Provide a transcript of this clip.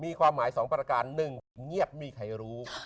มีความหมายสองปราการ๑เหมเงียบงไปไม่มีใครรู้